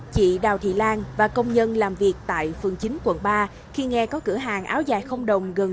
chị đào thị lan và công nhân làm việc tại phường chín quận ba khi nghe có cửa hàng áo dài không đồng gần